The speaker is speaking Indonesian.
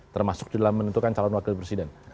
termasuk dalam menentukan calon wakil presiden